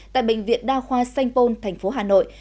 tại bệnh viện đa khoa sanh pôn thành phố hà nội